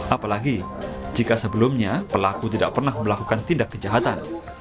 apalagi jika sebelumnya pelaku tidak pernah melakukan tindak kejahatan